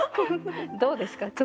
どうですか？